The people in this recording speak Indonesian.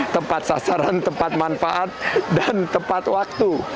tepat sasaran tepat manfaat dan tepat waktu